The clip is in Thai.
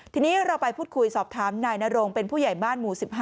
ทีนี้เราไปพูดคุยสอบถามนายนโรงเป็นผู้ใหญ่บ้านหมู่๑๕